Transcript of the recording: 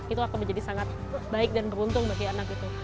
itu akan menjadi sangat baik dan beruntung bagi anak itu